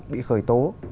bị khởi tố